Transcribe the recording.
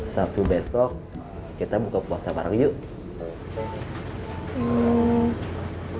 sabtu besok kita buka puasa bareng yuk